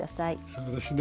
そうですね。